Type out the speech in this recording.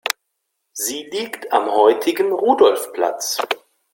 Sie liegt am heutigen Rudolfplatz.